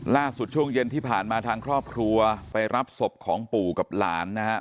ช่วงเย็นที่ผ่านมาทางครอบครัวไปรับศพของปู่กับหลานนะครับ